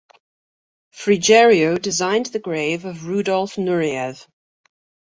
Frigerio designed the grave of Rudolf Nureyev.